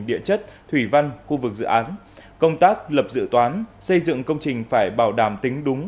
địa chất thủy văn khu vực dự án công tác lập dự toán xây dựng công trình phải bảo đảm tính đúng